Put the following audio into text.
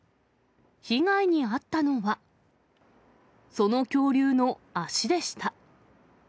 被害に遭ったのは、その恐竜の足でした。